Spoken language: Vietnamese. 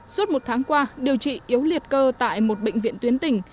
suốt một tháng qua điều trị yếu liệt cơ tại một bệnh viện tuyến tỉnh